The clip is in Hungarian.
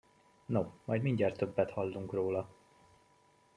No, majd mindjárt többet hallunk róla.